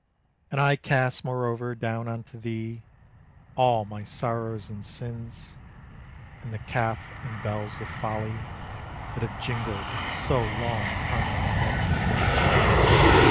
And I cast moreover down unto thee All my sorrows and sins, And the cap and bells of folly That have jingled so long upon my head.